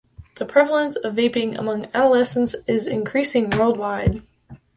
The prevalence of vaping among adolescents is increasing worldwide.